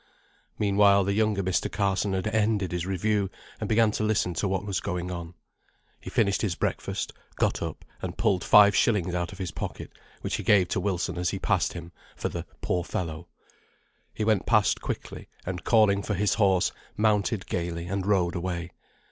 Meanwhile, the younger Mr. Carson had ended his review, and began to listen to what was going on. He finished his breakfast, got up, and pulled five shillings out of his pocket, which he gave to Wilson as he passed him, for the "poor fellow." He went past quickly, and calling for his horse, mounted gaily, and rode away.